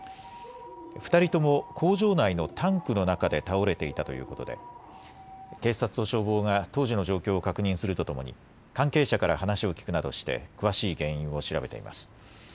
２人とも工場内のタンクの中で倒れていたということで警察と消防が当時の状況を確認するとともに関係者から話を聞くなどして詳しい原因を調べています。